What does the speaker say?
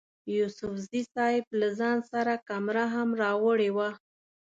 یوسفزي صیب له ځان سره کمره هم راوړې وه.